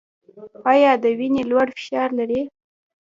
ایا د وینې لوړ فشار لرئ؟